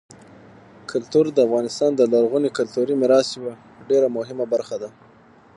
کلتور د افغانستان د لرغوني کلتوري میراث یوه ډېره مهمه برخه ده.